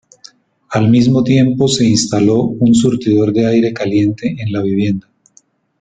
Al mismo tiempo se instaló un surtidor de aire caliente en la vivienda.